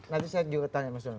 nanti saya juga tanya mas doni